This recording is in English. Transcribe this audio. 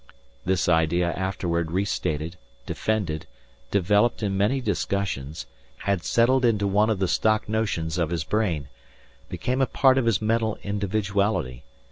This idea afterward restated, defended, developed in many discussions, had settled into one of the stock notions of his brain, became a part of his mental individuality.